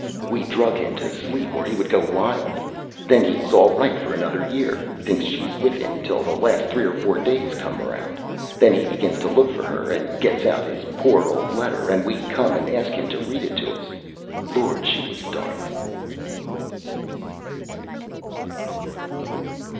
We drug him to sleep, or he would go wild; then he's all right for another year thinks she's with him till the last three or four days come round; then he begins to look for her, and gets out his poor old letter, and we come and ask him to read it to us. Lord, she was a darling!"